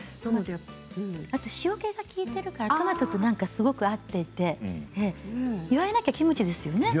あと塩けが利いているのでトマトと合っていて言われなけばキムチですよね。